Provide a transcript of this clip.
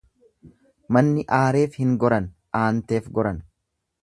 Manni aareef hin goran aanteef goran.